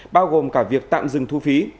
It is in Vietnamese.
bao gồm cả việc tạm dừng thu phí